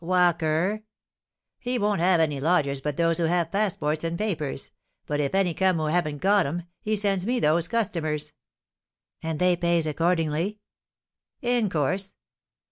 "'Walker!'" "He won't have any lodgers but those who have passports and papers; but if any come who haven't got 'em, he sends me those customers." "And they pays accordingly?" "In course."